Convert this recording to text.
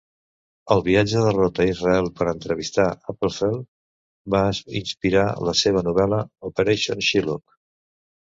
El viatge de Roth a Israel per entrevistar Appelfeld va inspirar la seva novel·la "Operation Shylock".